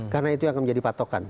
karena itu yang akan menjadi patokan